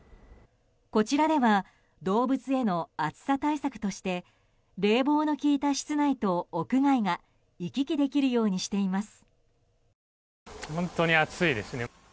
こちらでは動物への暑さ対策として冷房の効いた室内と屋外が行き来できるようにしています。